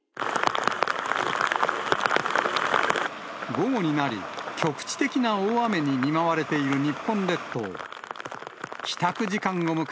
午後になり、局地的な大雨に見舞われている日本列島。